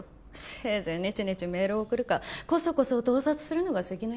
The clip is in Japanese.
せいぜいネチネチメールを送るかコソコソ盗撮するのが関の山ね。